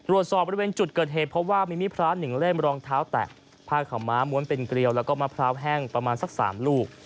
ตรวจสอบบริเวณจุดเกิดเหตุเพราะว่ามีพระหนึ่งเล่มรองเท้าแตะผ้าขาวม้าม้วนเป็นเกลียวแล้วก็มะพร้าวแห้งประมาณสัก๓ลูก